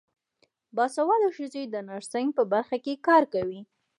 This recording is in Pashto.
باسواده ښځې د نرسنګ په برخه کې کار کوي.